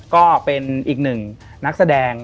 ก็เป็นอีกหนึ่งนักแสดง